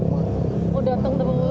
oh datang terus